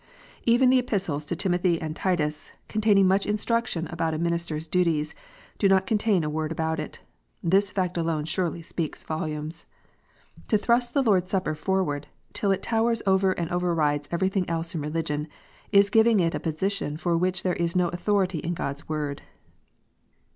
Even the Epistles to Timothy and Titus, containing much instruction about a minister s duties, do not contain a word about it. This fact alone surely speaks volumes ! To thrust the Lord s Supper forward, till it towers over and overrides everything else in religion, is giving it a position for which there is no authority in God s Word.